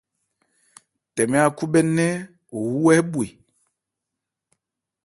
Tɛmɛ ákhúbhɛ́nɛ́n owú hɛ bhwe.